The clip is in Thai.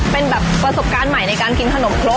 เป็นแบบประสบการณ์ใหม่ในการกินขนมครก